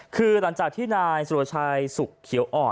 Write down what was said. คือหลังจากที่นายสุรชัยสุขเขียวอ่อน